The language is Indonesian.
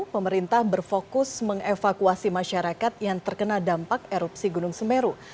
pemerintah berfokus mengevakuasi masyarakat yang terkena dampak erupsi gunung semeru